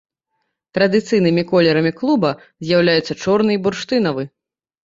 Традыцыйнымі колерамі клуба з'яўляюцца чорны і бурштынавы.